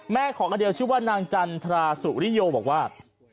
ของลาเดลชื่อว่านางจันทราสุริโยบอกว่า